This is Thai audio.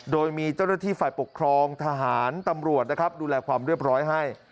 โดยมีเจ้าหน้าที่ฝ่ายปกครองทหารตำรวจนะครับดูแลความเรียบร้อยให้